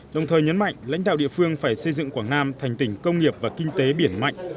đồng thời nhấn mạnh lãnh đạo địa phương phải xây dựng quảng nam thành tỉnh công nghiệp và kinh tế biển mạnh